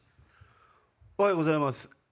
おはようございます。